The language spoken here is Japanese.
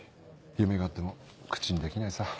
夢があっても口にできないさ。